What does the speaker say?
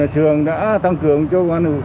trường đã tăng cường cho